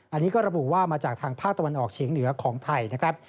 อันนี้ก็ระบุว่ามาจากทางภาคตะวันออกเฉียงเหนือของไทยนะครับ